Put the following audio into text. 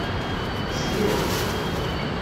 Cniɣ.